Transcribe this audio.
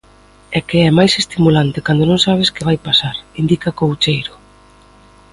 É que é máis estimulante cando non sabes que vai pasar, indica Coucheiro.